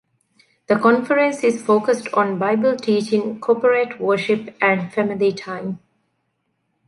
The conference is focussed on Bible teaching, corporate worship, and family time.